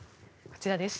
こちらです。